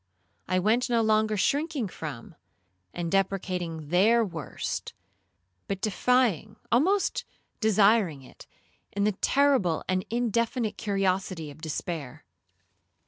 I went no longer shrinking from, and deprecating their worst, but defying, almost desiring it, in the terrible and indefinite curiosity of despair.